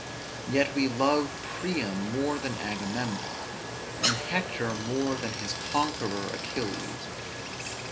Yet we love Priam more than Agamemnon, and Hector more than his conqueror Achilles.